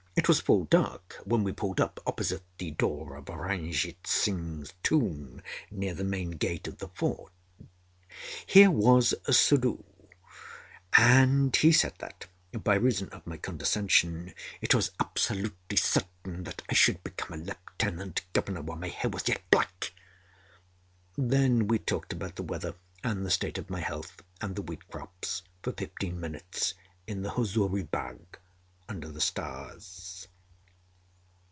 It was full dark when we pulled up opposite the door of Ranjit Singh's Tomb near the main gate of the Fort. Here was Suddhoo and he said that, by reason of my condescension, it was absolutely certain that I should become a Lieutenant Governor while my hair was yet black. Then we talked about the weather and the state of my health, and the wheat crops, for fifteen minutes, in the Huzuri Bagh, under the stars.